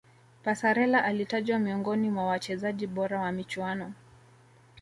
passarella alitajwa miongoni mwa wachezaji bora wa michuano